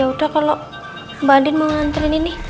yaudah kalo mbak andi mau nganter